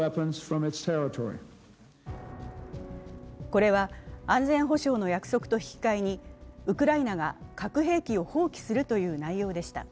これは安全保障の約束と引き換えにウクライナが核兵器を放棄するという内容でした。